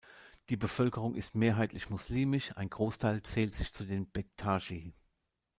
Die Bevölkerung ist mehrheitlich muslimisch, ein Großteil zählt sich zu den Bektaschi.